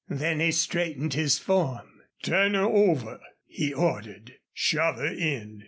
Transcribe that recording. Then he straightened his form. "Turn her over," he ordered. "Shove her in.